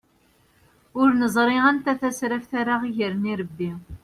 Ur neẓri anta tasraft ara aɣ-d-igren irebbi.